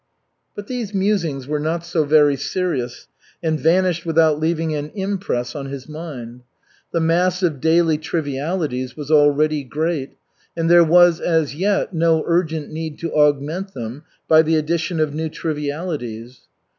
But these musings were not so very serious, and vanished without leaving an impress on his mind. The mass of daily trivialities was already great, and there was as yet no urgent need to augment them by the addition of new trivialities.